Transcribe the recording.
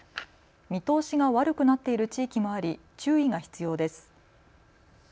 見通しが悪くなっている地域もあり注意が必要です。